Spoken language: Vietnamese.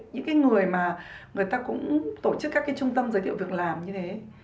những người mà người ta cũng tổ chức các trung tâm giới thiệu việc làm như thế